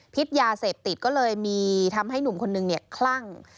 พิษยาเสพติดก็เลยมีทำให้หนุ่มคนนึงเนี่ยคลั่ง